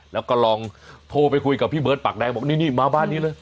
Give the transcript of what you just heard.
แล้วก็ลองโทรไปคุยกับพี่เบิร์ดปากแดงบอกนี่มาบ้านนี้เลย